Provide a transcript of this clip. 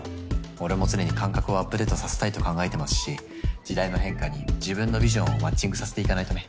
俺も常に感覚をアップデートさせたいと考えてますし時代の変化に自分のビジョンをマッチングさせていかないとね。